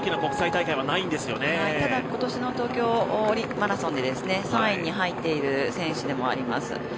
今年の東京マラソンで３位に入っている選手でもあります